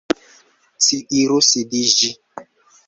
Ci iru sidiĝi.